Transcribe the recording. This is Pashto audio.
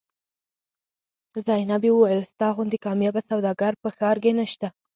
زینبې وویل ستا غوندې کاميابه سوداګر په ښار کې نشته.